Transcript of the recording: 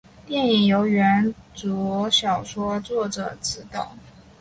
电影由原着小说作者执导。